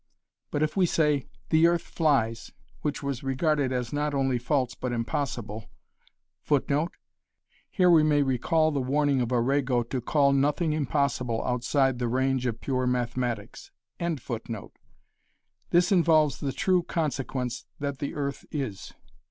But if we say, "The earth flies," which was regarded as not only false but impossible [Footnote: Here we may recall the warning of Arago to call nothing impossible outside the range of pure mathematics] this involves the true consequence that the earth is.